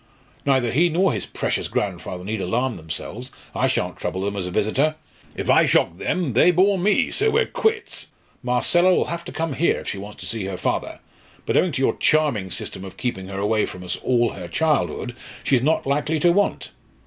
Neither he nor his precious grandfather need alarm themselves: I shan't trouble them as a visitor. If I shock them, they bore me so we're quits. Marcella'll have to come here if she wants to see her father. But owing to your charming system of keeping her away from us all her childhood, she's not likely to want."